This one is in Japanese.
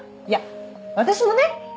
いや私もね